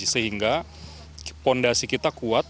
sehingga fondasi kita kuat